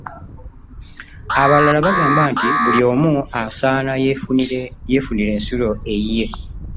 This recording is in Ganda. Abalala bagamba nti buli omu asaana yeefunire ensulo eyiye.